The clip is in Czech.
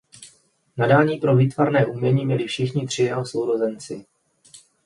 Nadání pro výtvarné umění měli všichni tři jeho sourozenci.